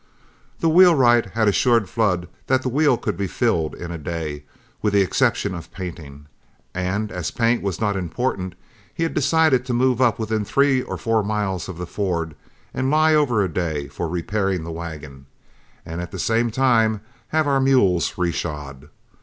The wheelwright had assured Flood that the wheel could be filled in a day, with the exception of painting, and as paint was not important, he had decided to move up within three or four miles of the Ford and lie over a day for repairing the wagon, and at the same time have our mules reshod.